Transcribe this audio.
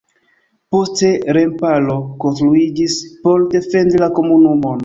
Poste remparo konstruiĝis por defendi la komunumon.